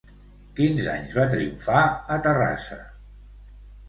Quins anys va triomfar a Terrassa?